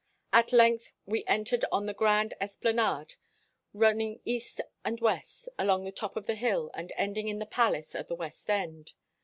At length we entered on the grand esplanade, running east and west along the top of the hill and ending in the palace at the west end.